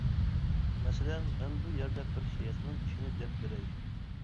مەسىلەن، مەن بۇ يەردە بىر شەيخنىڭ ئىشىنى دەپ بېرەي.